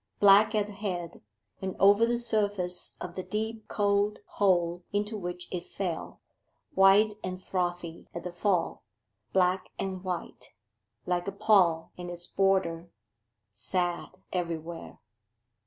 Black at the head, and over the surface of the deep cold hole into which it fell; white and frothy at the fall; black and white, like a pall and its border; sad everywhere.